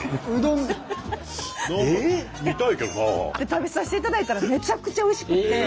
食べさせていただいたらめちゃくちゃおいしくて。